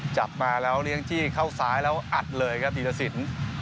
จับมาแล้วเลี้ยงจี้เข้าซ้ายแล้วอัดเลยครับธีรสิน